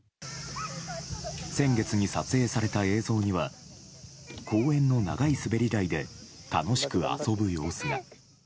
先月に撮影された映像には公園の長い滑り台で楽しく遊ぶ様子が。